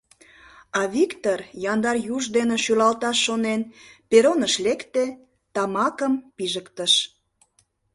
А Виктыр, яндар юж дене шӱлалташ шонен, перроныш лекте, тамакым пижыктыш...